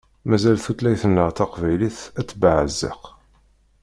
Mazal tutlayt-nneɣ taqbaylit ad tebbeɛzeq.